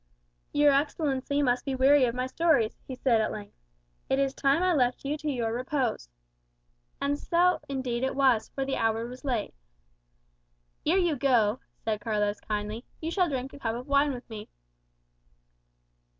"Your Excellency must be weary of my stories," he said at length. "It is time I left you to your repose." And so indeed it was, for the hour was late. "Ere you go," said Carlos kindly, "you shall drink a cup of wine with me."